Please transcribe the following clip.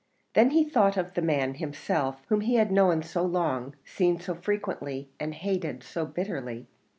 Then he thought of the man himself, whom he had known so long, seen so frequently, and hated so bitterly.